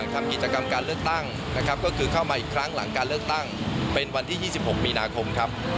ก็เข้ามาอีกครั้งหลังการเลือกตั้งเป็นวันที่๒๖มีนาคมครับ